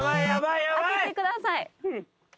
開けてください。